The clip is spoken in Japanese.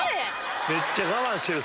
めっちゃ我慢してる！